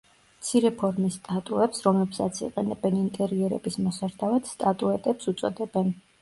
მცირე ფორმის სტატუებს, რომლებსაც იყენებენ ინტერიერების მოსართავად, სტატუეტებს უწოდებენ.